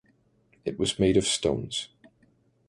It was made of stones.